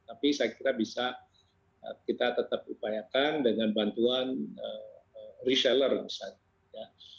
tapi saya kira bisa kita tetap upayakan dengan bantuan reseller misalnya ya